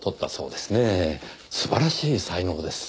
素晴らしい才能です。